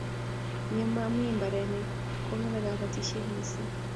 ye mami mbarenik kongeme kabatishit mising